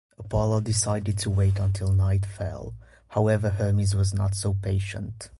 Apollo decided to wait until night fell, however Hermes was not so patient.